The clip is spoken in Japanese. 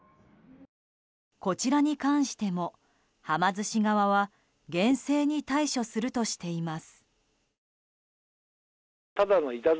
こちらに関しても、はま寿司側は厳正に対処するとしています。